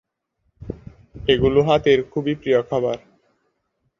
এগুলো হাতির খুবই প্রিয় খাবার।